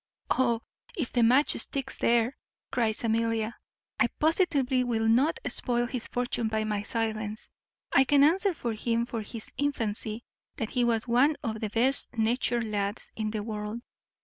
"O! if the match sticks there," cries Amelia, "I positively will not spoil his fortune by my silence. I can answer for him from his infancy, that he was one of the best natured lads in the world.